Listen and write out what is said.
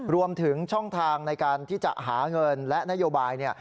รวมถึงช่องทางในการที่จะหาเงินและนโยบายเนี่ย